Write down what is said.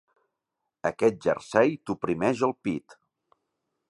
Aquest jersei t'oprimeix el pit.